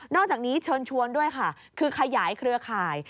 อกจากนี้เชิญชวนด้วยค่ะคือขยายเครือข่าย